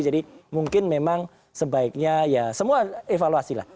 jadi mungkin memang sebaiknya ya semua evaluasi lah